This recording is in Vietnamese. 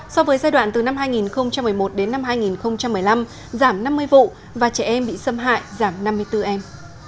so với giai đoạn từ năm hai nghìn một mươi một đến năm hai nghìn một mươi năm giảm năm mươi vụ và trẻ em bị xâm hại giảm năm mươi bốn em